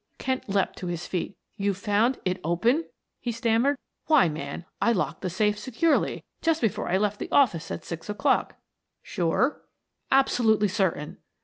Kent leapt to his feet. "You found it open!" he stammered. "Why, man, I locked that safe securely just before I left the office at six o'clock." "Sure?" "Absolutely certain."